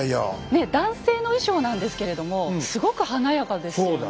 ねえ男性の衣装なんですけれどもすごく華やかですよね。